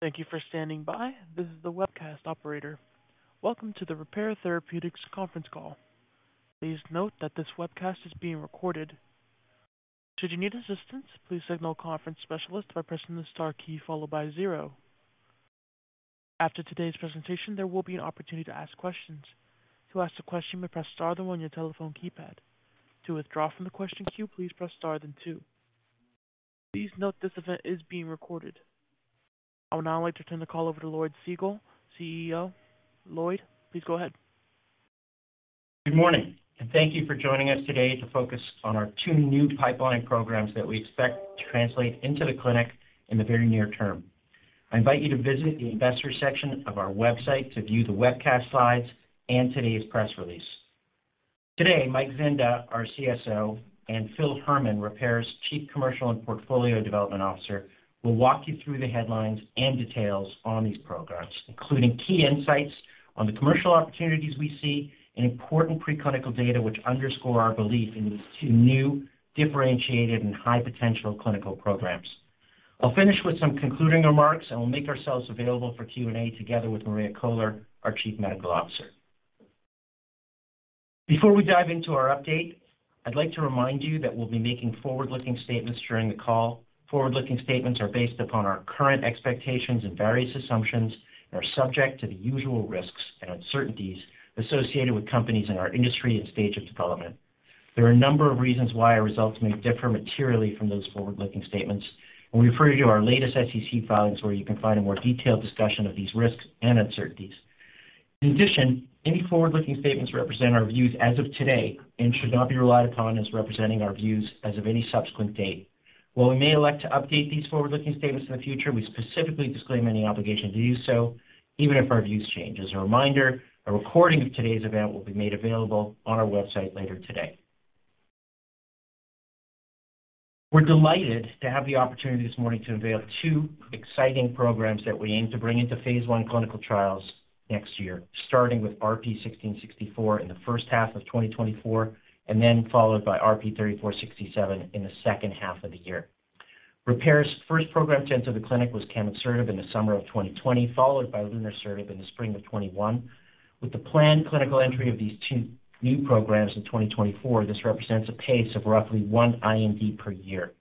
Thank you for standing by. This is the webcast operator. Welcome to the Repare Therapeutics conference call. Please note that this webcast is being recorded. Should you need assistance, please signal a conference specialist by pressing the star key followed by zero. After today's presentation, there will be an opportunity to ask questions. To ask a question, press star then one on your telephone keypad. To withdraw from the question queue, please press star then two. Please note this event is being recorded. I would now like to turn the call over to Lloyd Segal, CEO. Lloyd, please go ahead. Good morning, and thank you for joining us today to focus on our two new pipeline programs that we expect to translate into the clinic in the very near term. I invite you to visit the investor section of our website to view the webcast slides and today's press release. Today, Mike Zinda, our CSO, and Phil Herman, Repare's Chief Commercial and Portfolio Development Officer, will walk you through the headlines and details on these programs, including key insights on the commercial opportunities we see and important preclinical data which underscore our belief in these two new differentiated and high-potential clinical programs. I'll finish with some concluding remarks, and we'll make ourselves available for Q&A, together with Maria Koehler, our Chief Medical Officer. Before we dive into our update, I'd like to remind you that we'll be making forward-looking statements during the call. Forward-looking statements are based upon our current expectations and various assumptions and are subject to the usual risks and uncertainties associated with companies in our industry and stage of development. There are a number of reasons why our results may differ materially from those forward-looking statements, and we refer you to our latest SEC filings, where you can find a more detailed discussion of these risks and uncertainties. In addition, any forward-looking statements represent our views as of today and should not be relied upon as representing our views as of any subsequent date. While we may elect to update these forward-looking statements in the future, we specifically disclaim any obligation to do so, even if our views change. As a reminder, a recording of today's event will be made available on our website later today. We're delighted to have the opportunity this morning to unveil two exciting programs that we aim to bring into phase I clinical trials next year, starting with RP-1664 in the first half of 2024 and then followed by RP-3467 in the second half of the year. Repare's first program to enter the clinic was camonsertib in the summer of 2020, followed by lunresertib in the spring of 2021. With the planned clinical entry of these two new programs in 2024, this represents a pace of roughly one IND per year.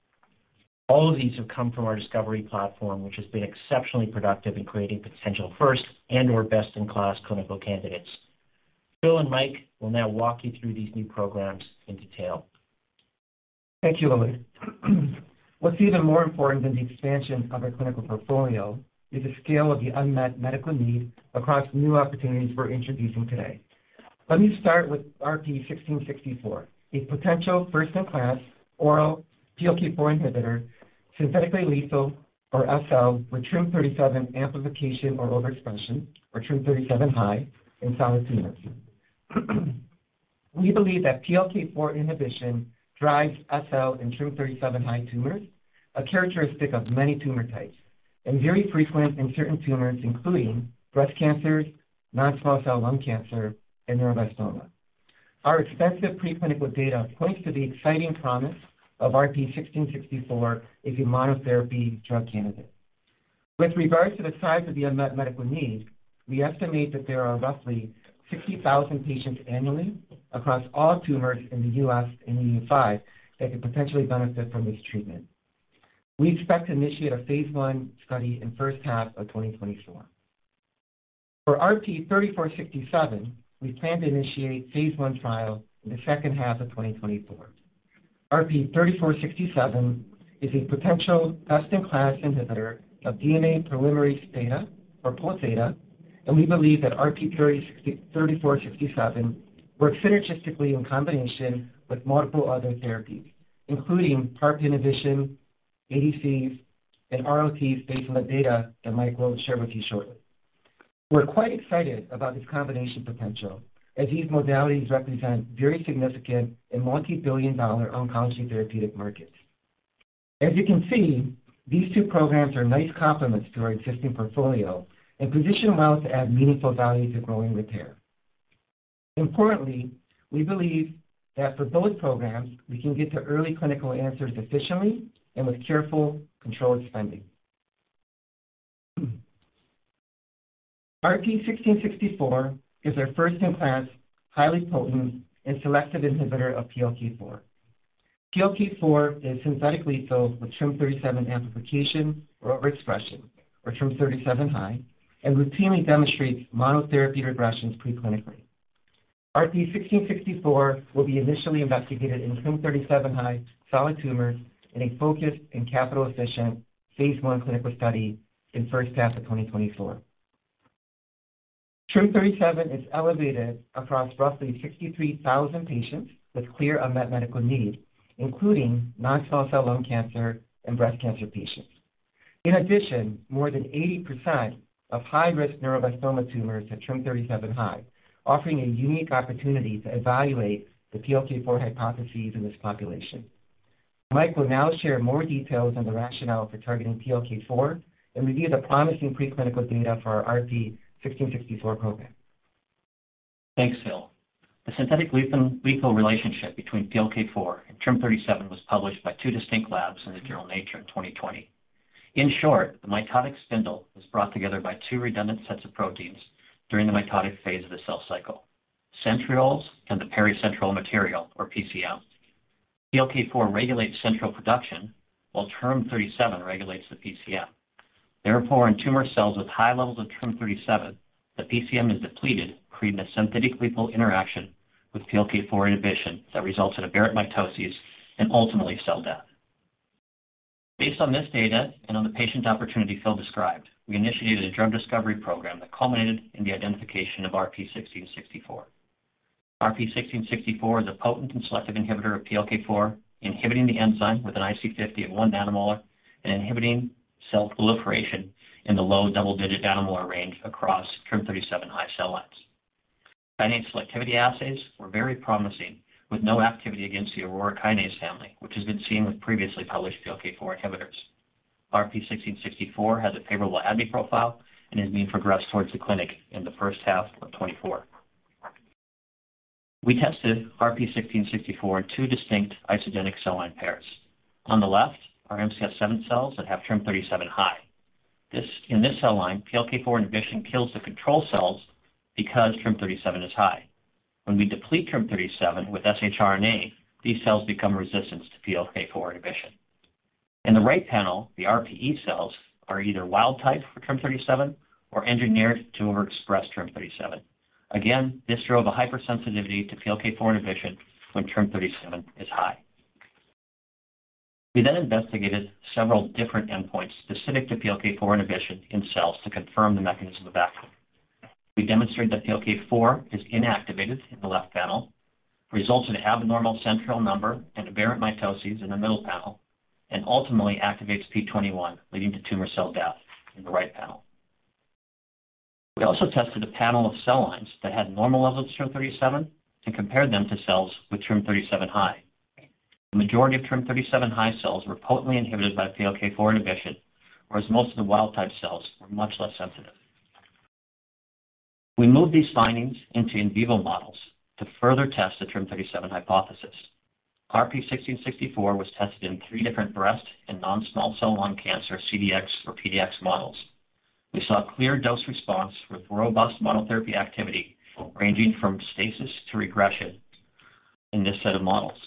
All of these have come from our discovery platform, which has been exceptionally productive in creating potential first and/or best-in-class clinical candidates. Phil and Mike will now walk you through these new programs in detail. Thank you, Lloyd. What's even more important than the expansion of our clinical portfolio is the scale of the unmet medical need across new opportunities we're introducing today. Let me start with RP-1664, a potential first-in-class oral PLK4 inhibitor, synthetically lethal, or SL, with TRIM37 amplification or overexpression, or TRIM37 high in solid tumors. We believe that PLK4 inhibition drives SL in TRIM37 high tumors, a characteristic of many tumor types, and very frequent in certain tumors, including breast cancers, non-small cell lung cancer, and neuroblastoma. Our extensive preclinical data points to the exciting promise of RP-1664 as a monotherapy drug candidate. With regards to the size of the unmet medical need, we estimate that there are roughly 60,000 patients annually across all tumors in the U.S. and the U.K. that could potentially benefit from this treatment. We expect to initiate a phase I study in first half of 2024. For RP-3467, we plan to initiate phase I trial in the second half of 2024. RP-3467 is a potential best-in-class inhibitor of DNA polymerase theta, or Pol theta, and we believe that RP-3467 works synergistically in combination with multiple other therapies, including PARP inhibition, ADCs, and RLTs, based on the data that Mike will share with you shortly. We're quite excited about this combination potential, as these modalities represent very significant and multi-billion-dollar oncology therapeutic markets. As you can see, these two programs are nice complements to our existing portfolio and position well to add meaningful value to growing Repare. Importantly, we believe that for both programs, we can get to early clinical answers efficiently and with careful, controlled spending. RP-1664 is our first-in-class, highly potent and selective inhibitor of PLK4. PLK4 is synthetically lethal with TRIM37 amplification or overexpression, or TRIM37 high, and routinely demonstrates monotherapy regressions preclinically. RP-1664 will be initially investigated in TRIM37 high solid tumors in a focused and capital-efficient phase I clinical study in first half of 2024. TRIM37 is elevated across roughly 63,000 patients with clear unmet medical need, including non-small cell lung cancer and breast cancer patients. In addition, more than 80% of high-risk neuroblastoma tumors have TRIM37 high, offering a unique opportunity to evaluate the PLK4 hypotheses in this population. Mike will now share more details on the rationale for targeting PLK4 and review the promising preclinical data for our RP-1664 program.... Thanks, Phil. The synthetic lethal, lethal relationship between PLK4 and TRIM37 was published by two distinct labs in the journal Nature in 2020. In short, the mitotic spindle is brought together by two redundant sets of proteins during the mitotic phase of the cell cycle, centrioles and the pericentriolar material, or PCM. PLK4 regulates centriole production, while TRIM37 regulates the PCM. Therefore, in tumor cells with high levels of TRIM37, the PCM is depleted, creating a synthetic lethal interaction with PLK4 inhibition that results in aberrant mitosis and ultimately cell death. Based on this data and on the patient opportunity Phil described, we initiated a drug discovery program that culminated in the identification of RP-1664. RP-1664 is a potent and selective inhibitor of PLK4, inhibiting the enzyme with an IC50 of 1 nM and inhibiting cell proliferation in the low double-digit nanomolar range across TRIM37-high cell lines. vitro selectivity assays were very promising, with no activity against the Aurora kinase family, which has been seen with previously published PLK4 inhibitors. RP-1664 has a favorable ADME profile and is being progressed towards the clinic in the first half of 2024. We tested RP-1664 in two distinct isogenic cell line pairs. On the left are MCF7 cells that have TRIM37 high. This, in this cell line, PLK4 inhibition kills the control cells because TRIM37 is high. When we deplete TRIM37 with shRNA, these cells become resistant to PLK4 inhibition. In the right panel, the RPE cells are either wild type for TRIM37 or engineered to overexpress TRIM37. Again, this drove a hypersensitivity to PLK4 inhibition when TRIM37 is high. We then investigated several different endpoints specific to PLK4 inhibition in cells to confirm the mechanism of action. We demonstrated that PLK4 is inactivated in the left panel, results in abnormal centriole number and aberrant mitoses in the middle panel, and ultimately activates p21, leading to tumor cell death in the right panel. We also tested a panel of cell lines that had normal levels of TRIM37 and compared them to cells with TRIM37 high. The majority of TRIM37 high cells were potently inhibited by PLK4 inhibition, whereas most of the wild-type cells were much less sensitive. We moved these findings into in vivo models to further test the TRIM37 hypothesis. RP-1664 was tested in three different breast and non-small cell lung cancer CDX or PDX models. We saw a clear dose response with robust monotherapy activity, ranging from stasis to regression in this set of models.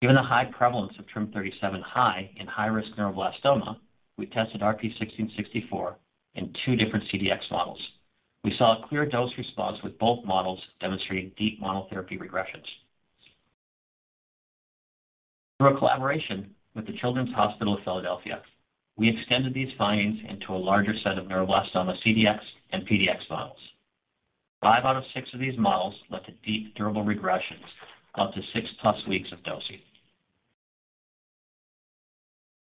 Given the high prevalence of TRIM37 high in high-risk neuroblastoma, we tested RP-1664 in two different CDX models. We saw a clear dose response with both models demonstrating deep monotherapy regressions. Through a collaboration with the Children's Hospital of Philadelphia, we extended these findings into a larger set of neuroblastoma CDX and PDX models. Five out of six of these models led to deep, durable regressions, up to 6+ weeks of dosing.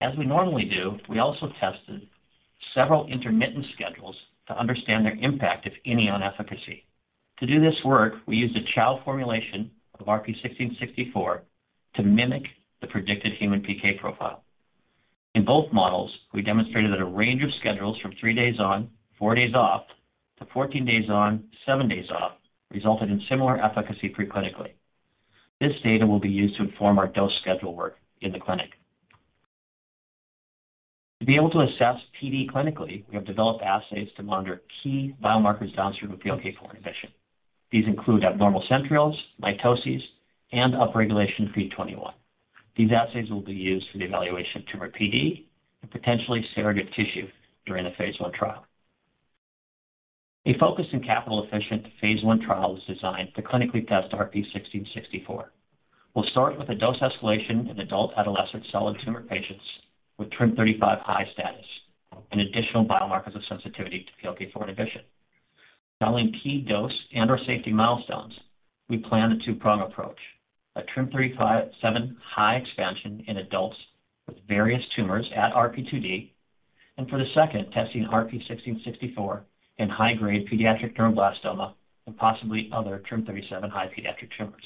As we normally do, we also tested several intermittent schedules to understand their impact, if any, on efficacy. To do this work, we used a child formulation of RP-1664 to mimic the predicted human PK profile. In both models, we demonstrated that a range of schedules from three days on, four days off, to 14 days on, seven days off, resulted in similar efficacy pre-clinically. This data will be used to inform our dose schedule work in the clinic. To be able to assess PD clinically, we have developed assays to monitor key biomarkers downstream of PLK4 inhibition. These include abnormal centrioles, mitoses, and upregulation of p21. These assays will be used for the evaluation of tumor PD and potentially surrogate tissue during a phase I trial. A focused and capital-efficient phase I trial is designed to clinically test RP-1664. We'll start with a dose escalation in adult/adolescent solid tumor patients with TRIM37-high status and additional biomarkers of sensitivity to PLK4 inhibition. Following key dose and/or safety milestones, we plan a two-prong approach: a TRIM37-high expansion in adults with various tumors at RP2D, and for the second, testing RP-1664 in high-grade pediatric neuroblastoma and possibly other TRIM37-high pediatric tumors.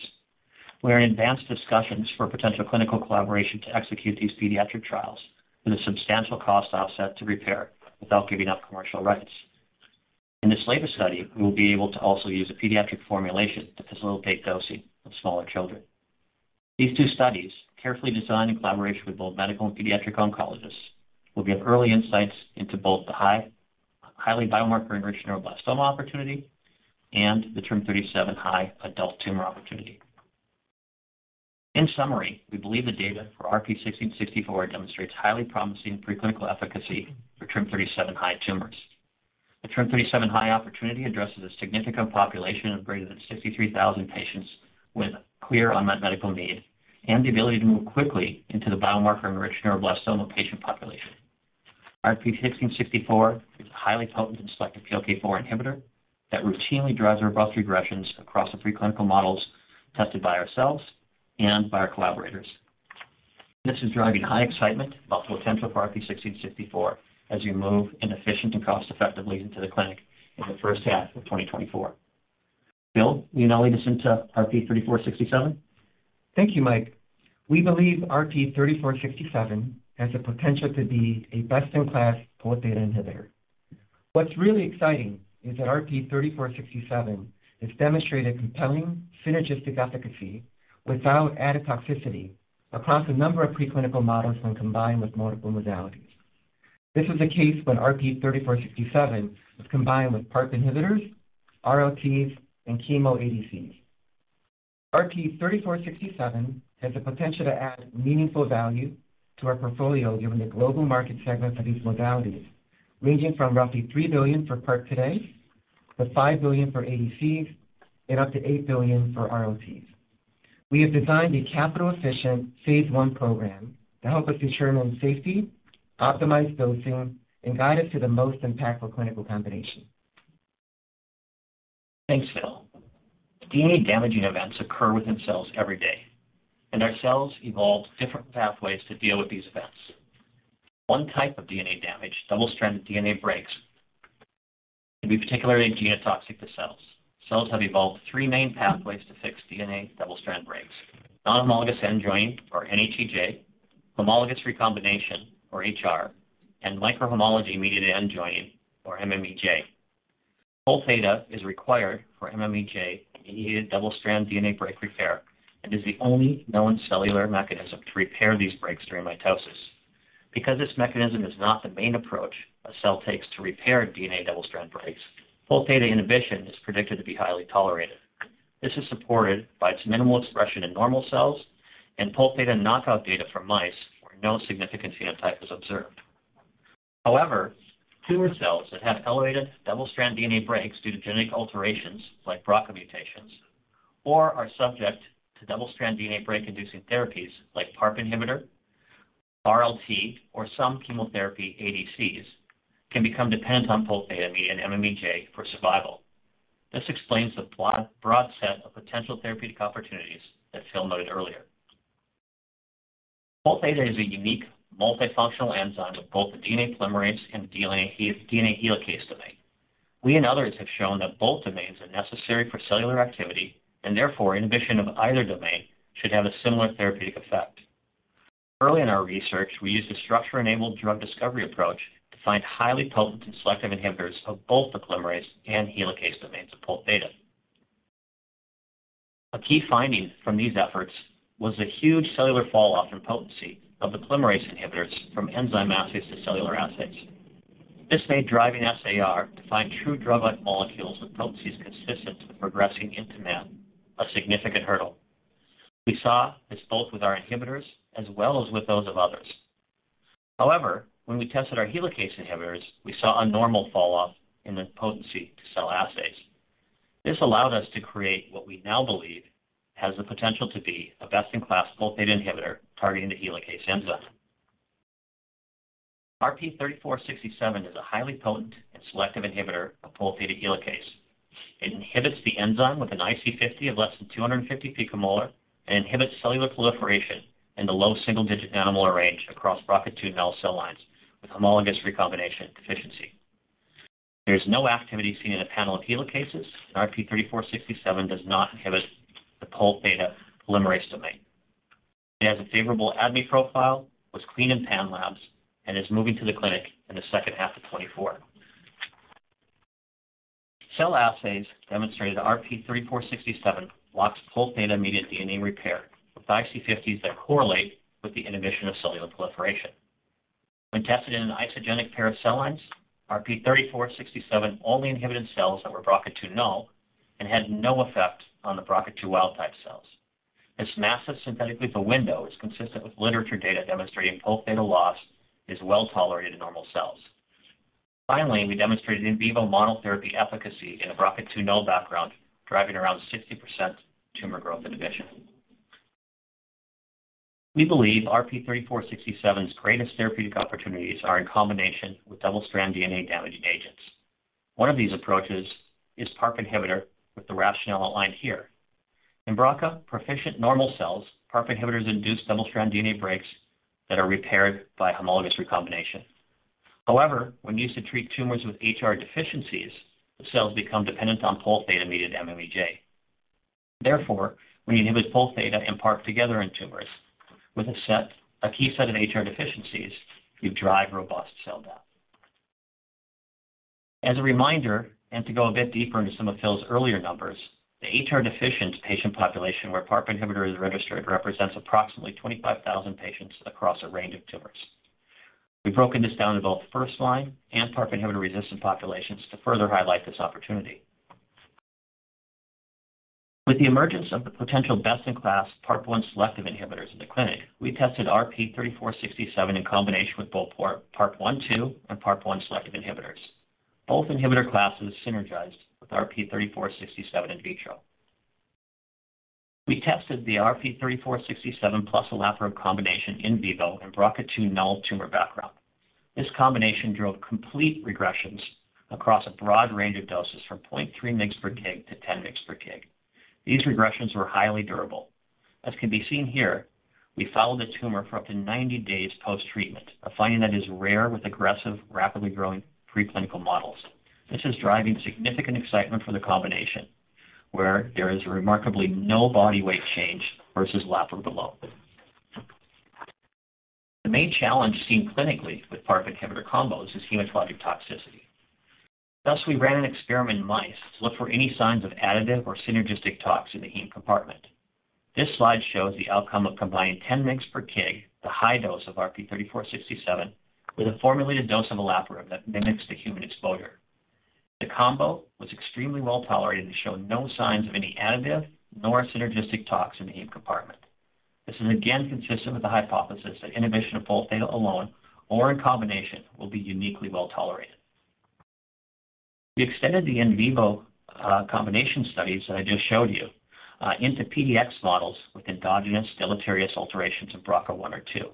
We are in advanced discussions for potential clinical collaboration to execute these pediatric trials with a substantial cost offset to Repare without giving up commercial rights. In this later study, we will be able to also use a pediatric formulation to facilitate dosing of smaller children. These two studies, carefully designed in collaboration with both medical and pediatric oncologists, will give early insights into both the highly biomarker-enriched neuroblastoma opportunity and the TRIM37-high adult tumor opportunity. In summary, we believe the data for RP-1664 demonstrates highly promising preclinical efficacy for TRIM37-high tumors. The TRIM37-high opportunity addresses a significant population of greater than 63,000 patients with clear unmet medical need and the ability to move quickly into the biomarker-enriched neuroblastoma patient population. RP-1664 is a highly potent and selective PLK4 inhibitor that routinely drives robust regressions across the preclinical models tested by ourselves and by our collaborators. This is driving high excitement about the potential for RP-1664 as we move inefficient and cost effectively into the clinic in the first half of 2024. Phil, will you now lead us into RP-3467?... Thank you, Mike. We believe RP-3467 has the potential to be a best-in-class Pol theta inhibitor. What's really exciting is that RP-3467 has demonstrated compelling synergistic efficacy without added toxicity across a number of preclinical models when combined with multiple modalities. This is the case when RP-3467 is combined with PARP inhibitors, RLTs, and chemo ADCs. RP-3467 has the potential to add meaningful value to our portfolio, given the global market segment for these modalities, ranging from roughly $3 billion for PARP today, to $5 billion for ADCs, and up to $8 billion for RLTs. We have designed a capital-efficient phase I program to help us determine safety, optimize dosing, and guide us to the most impactful clinical combination. Thanks, Phil. DNA-damaging events occur within cells every day, and our cells evolve different pathways to deal with these events. One type of DNA damage, double-strand DNA breaks, can be particularly genotoxic to cells. Cells have evolved three main pathways to fix DNA double-strand breaks: non-homologous end joining, or NHEJ, homologous recombination, or HR, and microhomology-mediated end joining, or MMEJ. Pol theta is required for MMEJ in double-strand DNA break repair, and is the only known cellular mechanism to repair these breaks during mitosis. Because this mechanism is not the main approach a cell takes to repair DNA double-strand breaks, Pol theta inhibition is predicted to be highly tolerated. This is supported by its minimal expression in normal cells and Pol theta knockout data from mice, where no significant phenotype was observed. However, tumor cells that have elevated double-strand DNA breaks due to genetic alterations, like BRCA mutations, or are subject to double-strand DNA break-inducing therapies like PARP inhibitor, RLT, or some chemotherapy ADCs, can become dependent on Pol theta and MMEJ for survival. This explains the broad, broad set of potential therapeutic opportunities that Phil noted earlier. Pol theta is a unique multifunctional enzyme with both the DNA polymerase and DNA helicase domain. We and others have shown that both domains are necessary for cellular activity, and therefore inhibition of either domain should have a similar therapeutic effect. Early in our research, we used a structure-enabled drug discovery approach to find highly potent and selective inhibitors of both the polymerase and helicase domains of Pol theta. A key finding from these efforts was a huge cellular falloff in potency of the polymerase inhibitors from enzyme assays to cellular assays. This made driving SAR to find true drug-like molecules with potencies consistent with progressing into man a significant hurdle. We saw this both with our inhibitors as well as with those of others. However, when we tested our helicase inhibitors, we saw a normal falloff in the potency to cell assays. This allowed us to create what we now believe has the potential to be a best-in-class Pol theta inhibitor targeting the helicase enzyme. RP-3467 is a highly potent and selective inhibitor of Pol theta helicase. It inhibits the enzyme with an IC50 of less than 250 pM and inhibits cellular proliferation in the low single-digit nanomolar range across BRCA2 null cell lines with homologous recombination deficiency. There's no activity seen in a panel of helicases, and RP-3467 does not inhibit the Pol theta polymerase domain. It has a favorable ADME profile, was clean in Panlabs, and is moving to the clinic in the second half of 2024. Cell assays demonstrated RP-3467 blocks Pol theta-mediated DNA repair, with IC50s that correlate with the inhibition of cellular proliferation. When tested in an isogenic pair of cell lines, RP-3467 only inhibited cells that were BRCA2 null and had no effect on the BRCA2 wild type cells. This massive synthetic window is consistent with literature data demonstrating Pol theta loss is well-tolerated in normal cells. Finally, we demonstrated in vivo monotherapy efficacy in a BRCA2 null background, driving around 60% tumor growth inhibition. We believe RP-3467's greatest therapeutic opportunities are in combination with double-strand DNA-damaging agents. One of these approaches is PARP inhibitor, with the rationale outlined here. In BRCA-proficient normal cells, PARP inhibitors induce double-strand DNA breaks that are repaired by homologous recombination. However, when used to treat tumors with HR deficiencies, the cells become dependent on Pol theta-mediated MMEJ. Therefore, when you inhibit Pol theta and PARP together in tumors with a key set of HR deficiencies, you drive robust cell death. As a reminder, and to go a bit deeper into some of Phil's earlier numbers, the HR-deficient patient population where PARP inhibitor is registered represents approximately 25,000 patients across a range of tumors. We've broken this down to both first-line and PARP inhibitor-resistant populations to further highlight this opportunity. With the emergence of the potential best-in-class PARP-1 selective inhibitors in the clinic, we tested RP-3467 in combination with both PARP 1/2 and PARP-1 selective inhibitors. Both inhibitor classes synergized with RP-3467 in vitro. We tested the RP-3467 plus olaparib combination in vivo in BRCA2 null tumor background. This combination drove complete regressions across a broad range of doses from 0.3 mg/kg-10 mg/kg. These regressions were highly durable. As can be seen here, we followed the tumor for up to 90 days post-treatment, a finding that is rare with aggressive, rapidly growing preclinical models. This is driving significant excitement for the combination, where there is remarkably no body weight change versus olaparib alone. The main challenge seen clinically with PARP inhibitor combos is hematologic toxicity. Thus, we ran an experiment in mice to look for any signs of additive or synergistic tox in the heme compartment. This slide shows the outcome of combining 10 mg/kg, the high dose of RP-3467, with a formulated dose of olaparib that mimics the human exposure. The combo was extremely well-tolerated and showed no signs of any additive nor synergistic tox in the heme compartment. This is again consistent with the hypothesis that inhibition of POLθ alone or in combination will be uniquely well-tolerated. We extended the in vivo combination studies that I just showed you into PDX models with endogenous deleterious alterations in BRCA one or two.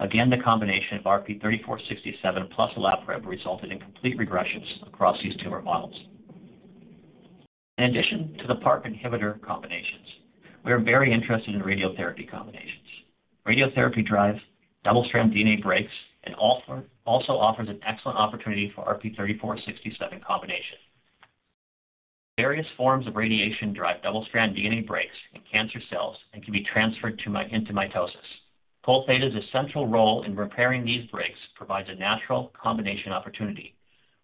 Again, the combination of RP-3467 plus olaparib resulted in complete regressions across these tumor models. In addition to the PARP inhibitor combinations, we are very interested in radiotherapy combinations. Radiotherapy drives double-strand DNA breaks and also offers an excellent opportunity for RP-3467 combination. Various forms of radiation drive double-strand DNA breaks in cancer cells and can be transferred into mitosis. POLθ's essential role in repairing these breaks provides a natural combination opportunity.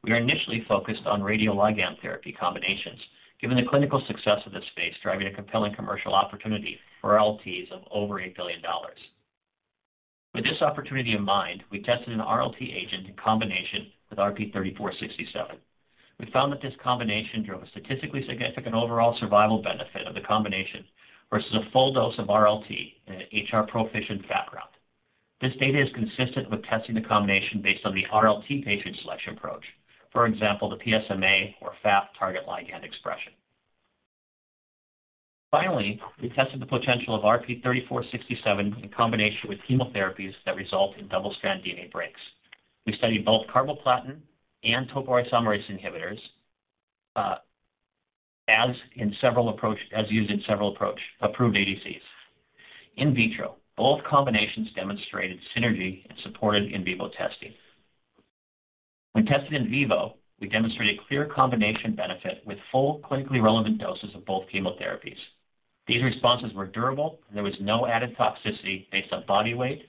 We are initially focused on radioligand therapy combinations, given the clinical success of this space, driving a compelling commercial opportunity for RLTs of over $1 billion. With this opportunity in mind, we tested an RLT agent in combination with RP-3467. We found that this combination drove a statistically significant overall survival benefit of the combination versus a full dose of RLT in an HR-proficient background. This data is consistent with testing the combination based on the RLT patient selection approach. For example, the PSMA or FAP target ligand expression. Finally, we tested the potential of RP-3467 in combination with chemotherapies that result in double-strand DNA breaks. We studied both carboplatin and topoisomerase inhibitors, as used in several approved ADCs. In vitro, both combinations demonstrated synergy and supported in vivo testing. When tested in vivo, we demonstrated clear combination benefit with full clinically relevant doses of both chemotherapies. These responses were durable, and there was no added toxicity based on body weight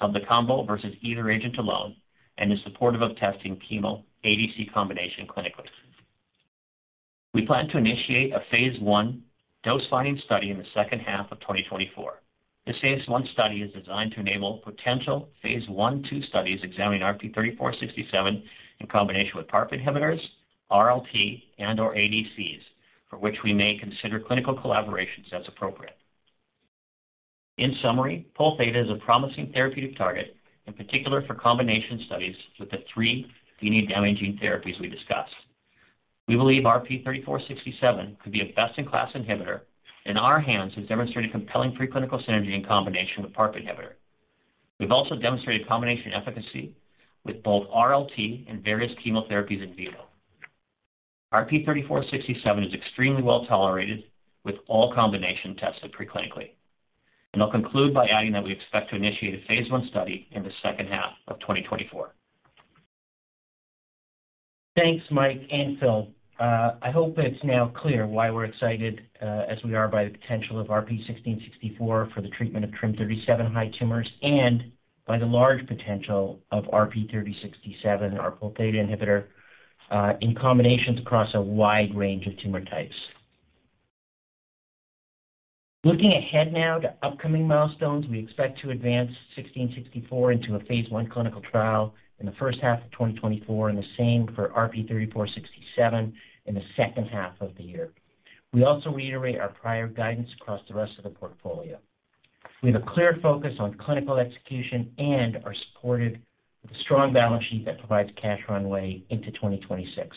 of the combo versus either agent alone and is supportive of testing chemo ADC combination clinically. We plan to initiate a phase I dose-finding study in the second half of 2024. This phase I study is designed to enable potential phase I/II studies examining RP-3467 in combination with PARP inhibitors, RLT, and/or ADCs, for which we may consider clinical collaborations as appropriate. In summary, Polθ is a promising therapeutic target, in particular for combination studies with the three DNA-damaging therapies we discussed. We believe RP-3467 could be a best-in-class inhibitor, in our hands, has demonstrated compelling preclinical synergy in combination with PARP inhibitor. We've also demonstrated combination efficacy with both RLT and various chemotherapies in vivo. RP-3467 is extremely well-tolerated with all combination tested preclinically, and I'll conclude by adding that we expect to initiate a phase I study in the second half of 2024. Thanks, Mike and Phil. I hope it's now clear why we're excited, as we are, by the potential of RP-1664 for the treatment of TRIM37-high tumors and by the large potential of RP-3467, our Polθ inhibitor, in combinations across a wide range of tumor types. Looking ahead now to upcoming milestones, we expect to advance 1664 into a phase I clinical trial in the first half of 2024, and the same for RP-3467 in the second half of the year. We also reiterate our prior guidance across the rest of the portfolio. We have a clear focus on clinical execution and are supported with a strong balance sheet that provides cash runway into 2026.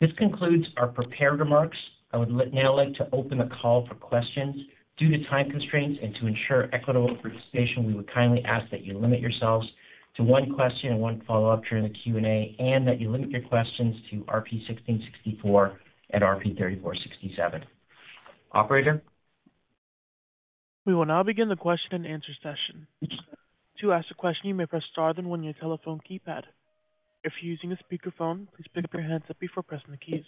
This concludes our prepared remarks. I would like now to open the call for questions. Due to time constraints and to ensure equitable participation, we would kindly ask that you limit yourselves to one question and one follow-up during the Q&A, and that you limit your questions to RP-1664 and RP-3467. Operator? We will now begin the question-and-answer session. To ask a question, you may press star then one on your telephone keypad. If you're using a speakerphone, please pick up your handset before pressing the keys.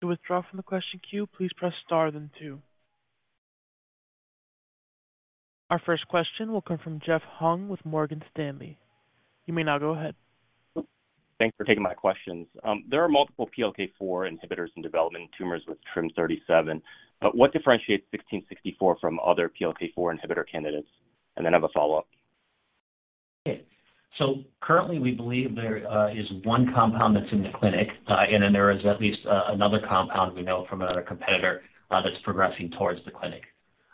To withdraw from the question queue, please press star then two. Our first question will come from Jeff Hung with Morgan Stanley. You may now go ahead. Thanks for taking my questions. There are multiple PLK4 inhibitors in development in tumors with TRIM37, but what differentiates RP-1664 from other PLK4 inhibitor candidates? And then I have a follow-up. Okay, so currently we believe there is one compound that's in the clinic, and then there is at least another compound we know from another competitor that's progressing towards the clinic.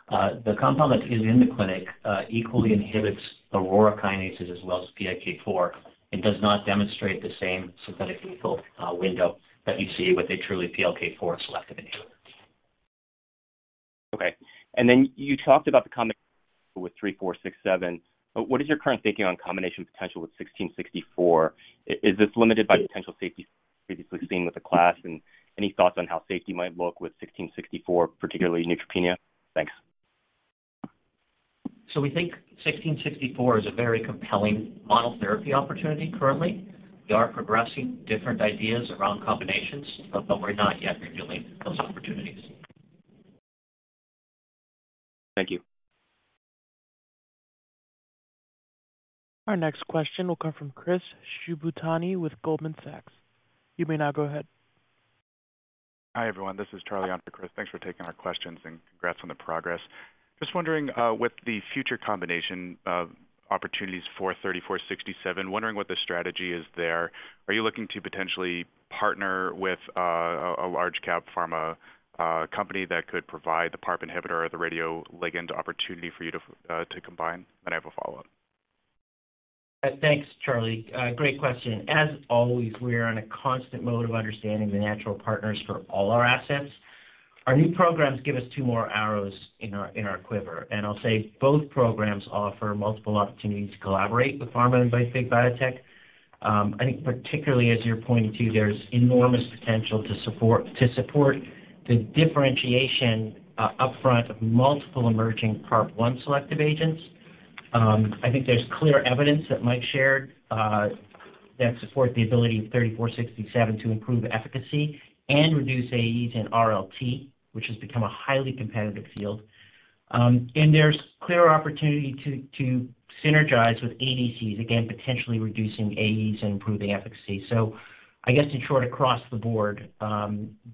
The compound that is in the clinic equally inhibits the Aurora kinases as well as PLK4 and does not demonstrate the same synthetic lethal window that you see with a truly PLK4-selective inhibitor. Okay, and then you talked about with RP-3467, what is your current thinking on combination potential with RP-1664? Is this limited by potential safety, previously seen with the class, and any thoughts on how safety might look with RP-1664, particularly neutropenia? Thanks. We think RP-1664 is a very compelling monotherapy opportunity currently. We are progressing different ideas around combinations, but we're not yet revealing those opportunities. Thank you. Our next question will come from Chris Shibutani with Goldman Sachs. You may now go ahead. Hi, everyone. This is Charlie on for Chris. Thanks for taking our questions and congrats on the progress. Just wondering, with the future combination of opportunities for 3467, wondering what the strategy is there. Are you looking to potentially partner with, a large cap pharma, company that could provide the PARP inhibitor or the radioligand opportunity for you to, to combine? And I have a follow-up. Thanks, Charlie. Great question. As always, we are on a constant mode of understanding the natural partners for all our assets. Our new programs give us two more arrows in our quiver, and I'll say both programs offer multiple opportunities to collaborate with pharma and biotech. I think particularly as you're pointing to, there's enormous potential to support the differentiation upfront of multiple emerging PARP-1 selective agents. I think there's clear evidence that Mike shared that support the ability of 3467 to improve efficacy and reduce AEs in RLT, which has become a highly competitive field. And there's clear opportunity to synergize with ADCs, again, potentially reducing AEs and improving efficacy. So I guess in short, across the board,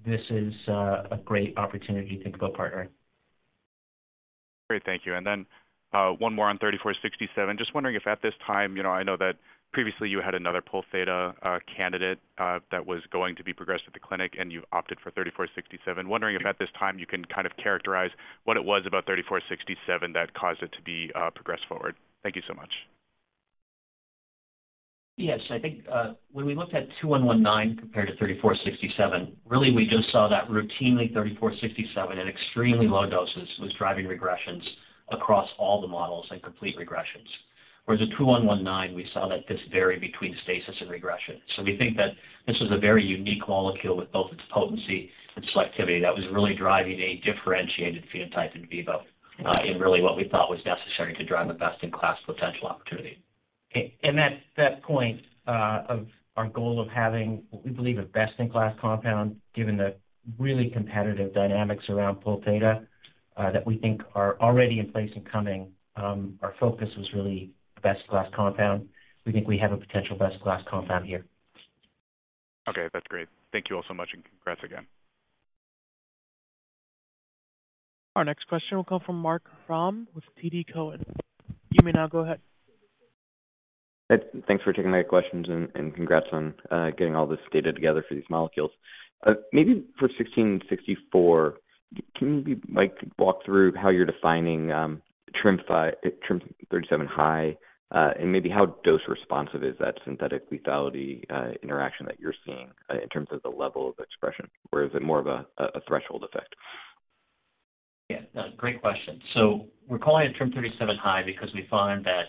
this is a great opportunity to think about partnering. Great, thank you. And then, one more on 3467. Just wondering if at this time, you know, I know that previously you had another Pol theta candidate that was going to be progressed at the clinic, and you opted for 3467. Wondering if at this time you can kind of characterize what it was about 3467 that caused it to be progressed forward. Thank you so much. Yes. I think, when we looked at 2119 compared to 3467, really we just saw that routinely 3467 at extremely low doses was driving regressions across all the models and complete regressions. Whereas 2119, we saw that this varied between stasis and regression. So we think that this was a very unique molecule with both its potency and selectivity, that was really driving a differentiated phenotype in vivo, in really what we thought was necessary to drive the best-in-class potential opportunity. And that point, of our goal of having what we believe a best-in-class compound, given the really competitive dynamics around Pol theta, that we think are already in place and coming, our focus was really a best-in-class compound. We think we have a potential best-in-class compound here. Okay, that's great. Thank you all so much, and congrats again. Our next question will come from Marc Frahm with TD Cowen. You may now go ahead. Thanks for taking my questions, and congrats on getting all this data together for these molecules. Maybe for RP-1664, can you, Mike, walk through how you're defining TRIM5, TRIM37 high, and maybe how dose responsive is that synthetic lethality interaction that you're seeing in terms of the level of expression, or is it more of a threshold effect? Yeah, great question. So we're calling it TRIM37 high because we find that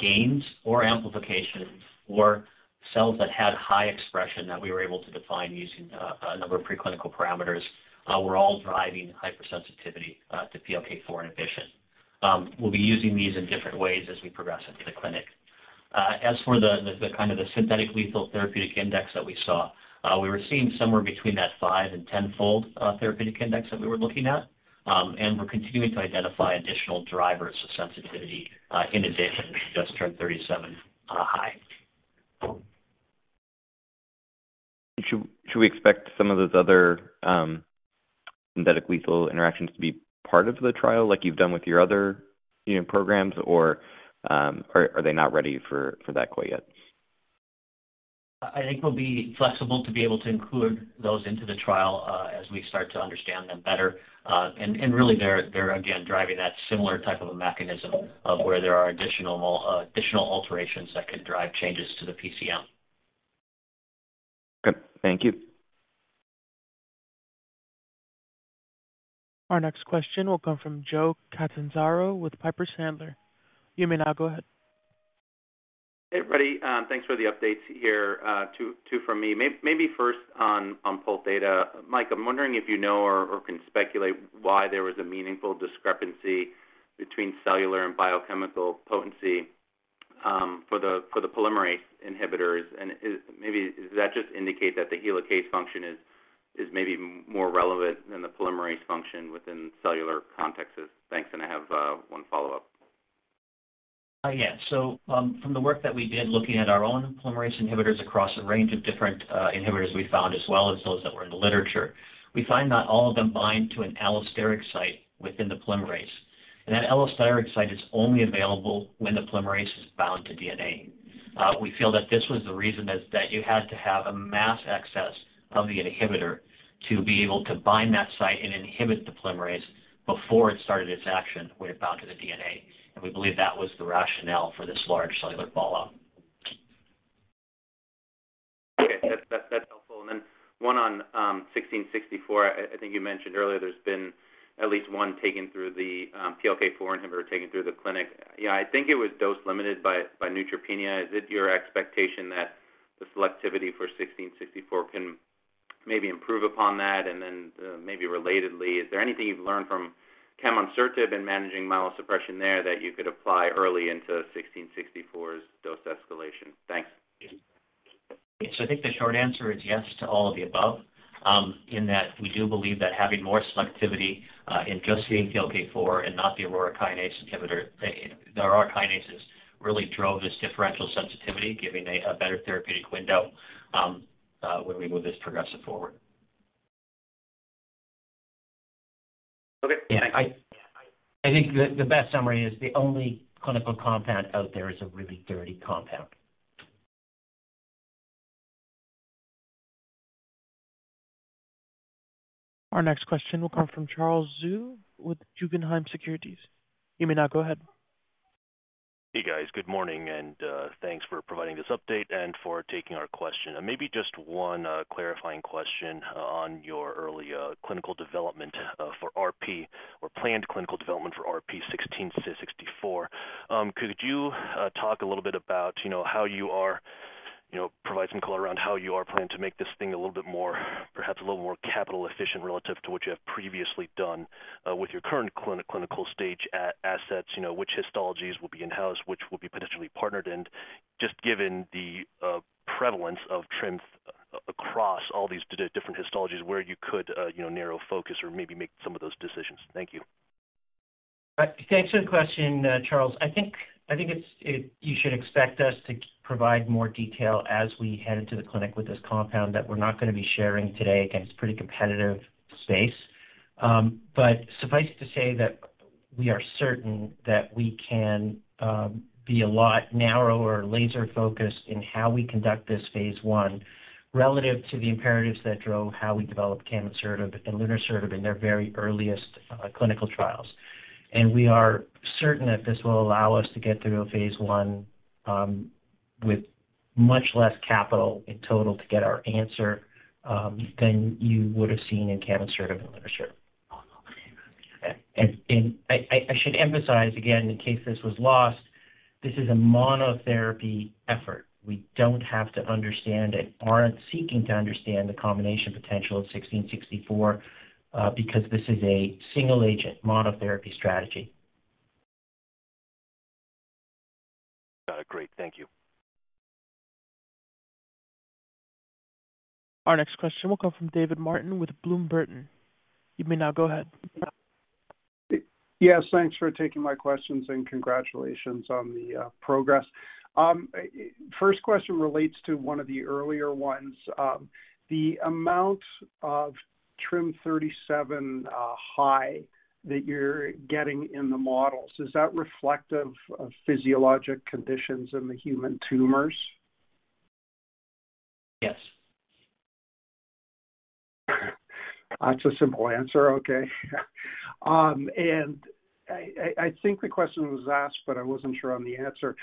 gains or amplifications or cells that had high expression that we were able to define using a number of preclinical parameters were all driving hypersensitivity to PLK4 inhibition. We'll be using these in different ways as we progress into the clinic. As for the kind of synthetic lethal therapeutic index that we saw, we were seeing somewhere between that five and 10-fold therapeutic index that we were looking at. And we're continuing to identify additional drivers of sensitivity in addition to just TRIM37 high. Should we expect some of those other synthetic lethal interactions to be part of the trial, like you've done with your other programs, or are they not ready for that quite yet? I think we'll be flexible to be able to include those into the trial, as we start to understand them better. Really, they're again driving that similar type of a mechanism of where there are additional alterations that could drive changes to the PCL. Good. Thank you. Our next question will come from Joe Catanzaro with Piper Sandler. You may now go ahead. Hey, everybody, thanks for the updates here. Two from me. Maybe first on Pol theta. Mike, I'm wondering if you know or can speculate why there was a meaningful discrepancy between cellular and biochemical potency for the polymerase inhibitors, and is maybe does that just indicate that the helicase function is maybe more relevant than the polymerase function within cellular contexts? Thanks, and I have one follow-up. Yeah. So, from the work that we did, looking at our own polymerase inhibitors across a range of different inhibitors, we found, as well as those that were in the literature, we find that all of them bind to an allosteric site within the polymerase, and that allosteric site is only available when the polymerase is bound to DNA. We feel that this was the reason is that you had to have a mass excess of the inhibitor to be able to bind that site and inhibit the polymerase before it started its action, where it bound to the DNA, and we believe that was the rationale for this large cellular fallout.... 1664, I, I think you mentioned earlier, there's been at least one taken through the, PLK4 inhibitor taken through the clinic. Yeah, I think it was dose-limited by, by neutropenia. Is it your expectation that the selectivity for 1664 can maybe improve upon that? And then, maybe relatedly, is there anything you've learned from camonsertib in managing myelosuppression there that you could apply early into 1664's dose escalation? Thanks. So I think the short answer is yes to all of the above. In that, we do believe that having more selectivity in just the PLK4 and not the Aurora kinase inhibitor, the Aurora kinases, really drove this differential sensitivity, giving a better therapeutic window when we move this progressive forward. Okay, thanks. I think the best summary is the only clinical compound out there is a really dirty compound. Our next question will come from Charles Zhu with Guggenheim Securities. You may now go ahead. Hey, guys. Good morning, and thanks for providing this update and for taking our question. Maybe just one clarifying question on your early clinical development for RP or planned clinical development for RP-1664. Could you talk a little bit about how you are, you know, provide some color around how you are planning to make this thing a little bit more, perhaps a little more capital efficient relative to what you have previously done with your current clinical stage assets? You know, which histologies will be in-house, which will be potentially partnered, and just given the prevalence of TRIM across all these different histologies, where you could, you know, narrow focus or maybe make some of those decisions. Thank you. Thanks for the question, Charles. I think you should expect us to provide more detail as we head into the clinic with this compound that we're not going to be sharing today. Again, it's pretty competitive space. But suffice to say that we are certain that we can be a lot narrower, laser-focused in how we conduct this phase I, relative to the imperatives that drove how we developed camonsertib and lunresertib in their very earliest clinical trials. And we are certain that this will allow us to get through a phase I with much less capital in total to get our answer than you would have seen in camonsertib and lunresertib. And I should emphasize again, in case this was lost, this is a monotherapy effort. We don't have to understand and aren't seeking to understand the combination potential of RP-1664, because this is a single agent monotherapy strategy. Got it. Great. Thank you. Our next question will come from David Martin with Bloom Burton. You may now go ahead. Yes, thanks for taking my questions, and congratulations on the progress. First question relates to one of the earlier ones. The amount of TRIM37 high that you're getting in the models, is that reflective of physiologic conditions in the human tumors? Yes. That's a simple answer. Okay. And I think the question was asked, but I wasn't sure on the answer.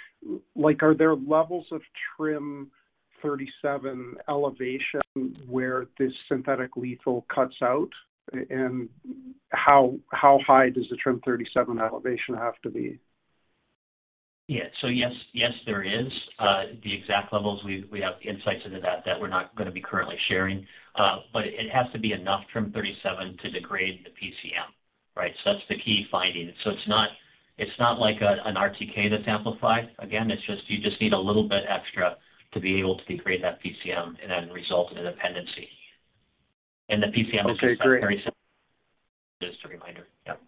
Like, are there levels of TRIM37 elevation where this synthetic lethal cuts out? And how high does the TRIM37 elevation have to be? Yeah. So yes, yes, there is. The exact levels, we have insights into that that we're not going to be currently sharing, but it has to be enough TRIM37 to degrade the PCM, right? So that's the key finding. So it's not like an RTK that's amplified. Again, it's just, you just need a little bit extra to be able to degrade that PCM and then result in a dependency. And the PCM- Okay, great. Just a reminder. Yep.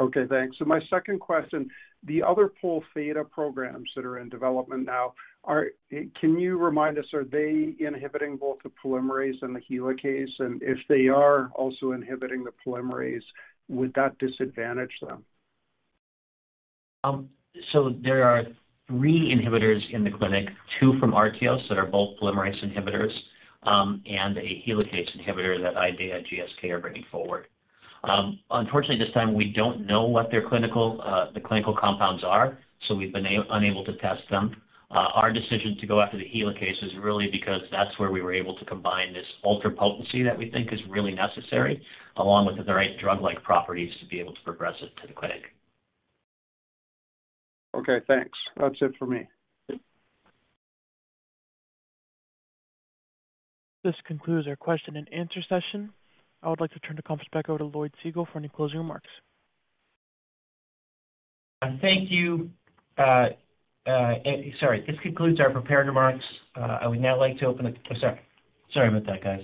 Okay, thanks. So my second question, the other Pol theta programs that are in development now, can you remind us, are they inhibiting both the polymerase and the helicase? And if they are also inhibiting the polymerase, would that disadvantage them? So there are three inhibitors in the clinic, two from Artios that are both polymerase inhibitors, and a helicase inhibitor that IDEAYA and GSK are bringing forward. Unfortunately, this time we don't know what their clinical compounds are, so we've been unable to test them. Our decision to go after the helicase is really because that's where we were able to combine this ultra potency that we think is really necessary, along with the right drug-like properties, to be able to progress it to the clinic. Okay, thanks. That's it for me. This concludes our question and answer session. I would like to turn the conference back over to Lloyd Segal for any closing remarks. Thank you. Sorry. This concludes our prepared remarks. I would now like to open the... Sorry. Sorry about that, guys.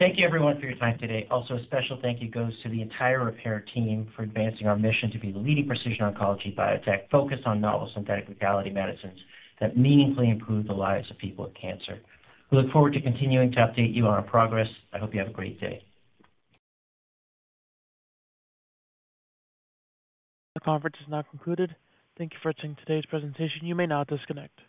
Thank you everyone for your time today. Also, a special thank you goes to the entire Repare team for advancing our mission to be the leading precision oncology biotech, focused on novel synthetic lethality medicines that meaningfully improve the lives of people with cancer. We look forward to continuing to update you on our progress. I hope you have a great day. The conference is now concluded. Thank you for attending today's presentation. You may now disconnect.